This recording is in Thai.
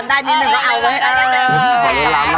อันนี้หน้านานได้นิดนึงว่าเอา